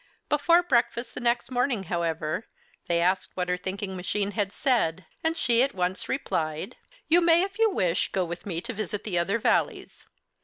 Before breakfast the next morning, however, they asked what her thinking machine had said, and she at once replied: "You may, if you wish, go with me to visit the other Valleys.